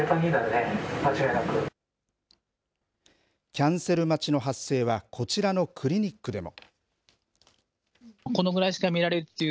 キャンセル待ちの発生はこちらのクリニックでも。